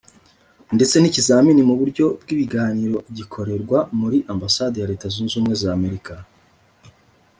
ndetse n’ikizamini mu buryo bw’ibiganiro gikorerwa muri Ambassade ya Leta Zunze Ubumwe za Amerika